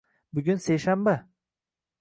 Bugun seshanba.